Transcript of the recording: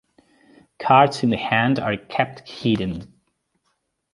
Cards in the hand are kept hidden.